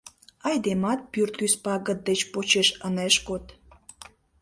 Айдемат пӱртӱс пагыт деч почеш ынеж код.